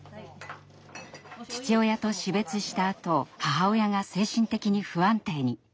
父親と死別したあと母親が精神的に不安定に。